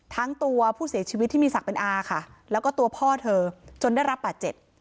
ทั้งตัวผู้เสียชีวิตที่มีศักดิ์เป็นอาค่ะแล้วก็ตัวพ่อเธอจนได้รับบาดเจ็บ